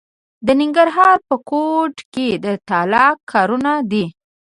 د ننګرهار په کوټ کې د تالک کانونه دي.